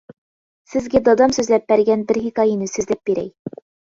سىزگە دادام سۆزلەپ بەرگەن بىر ھېكايىنى سۆزلەپ بېرەي.